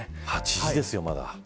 ８時ですよ、まだ。